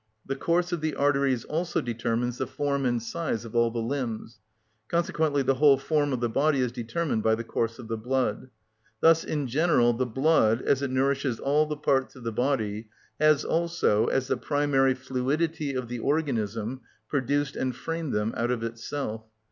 The course of the arteries also determines the form and size of all the limbs; consequently the whole form of the body is determined by the course of the blood. Thus in general the blood, as it nourishes all the parts of the body, has also, as the primary fluidity of the organism, produced and framed them out of itself.